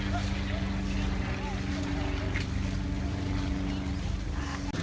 สวัสดีครับคุณผู้ชาย